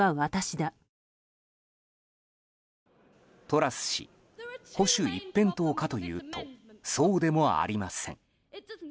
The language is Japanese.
トラス氏保守一辺倒かというとそうでもありません。